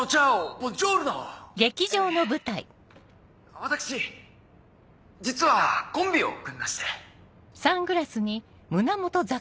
私実はコンビを組みまして。